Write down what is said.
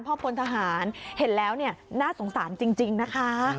พ่อผลทหารเห็นแล้วเนี่ยน่าสงสารจริงนะคะ